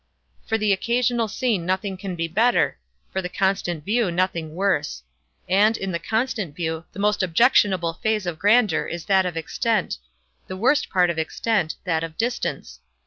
For the occasional scene nothing can be better—for the constant view nothing worse. And, in the constant view, the most objectionable phase of grandeur is that of extent; the worst phase of extent, that of distance.